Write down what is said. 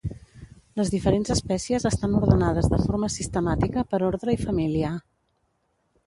Les diferents espècies estan ordenades de forma sistemàtica per ordre i família.